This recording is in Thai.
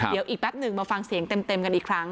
เดี๋ยวอีกแป๊บหนึ่งมาฟังเสียงเต็มกันอีกครั้ง